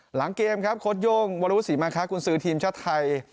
หลังเกมครับโค้ดโย่งวรวุศรีมาคะกุญสือทีมชาติไทย